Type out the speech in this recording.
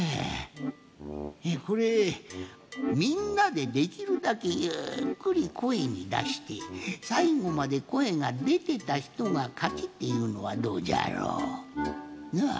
これみんなでできるだけゆっくりこえにだしてさいごまでこえがでてたひとがかちっていうのはどうじゃろう？